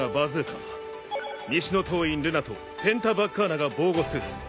西洞院ルナとペンタバッカーナが防護スーツ。